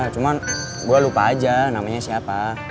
cuman gue lupa aja namanya siapa